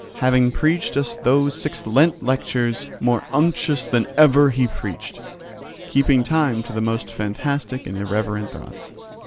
Having preached us those six Lent lectures, More unctuous than ever he preached," keeping time to the most fantastic and irreverent thoughts.